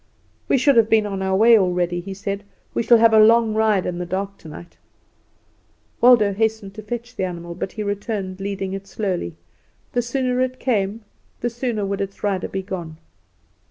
"We should have been on our way already," he said. "We shall have a long ride in the dark tonight." Waldo hastened to fetch the animal; but he returned leading it slowly. The sooner it came the sooner would its rider be gone.